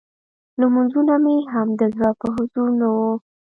لمونځونه مې هم د زړه په حضور نه وو.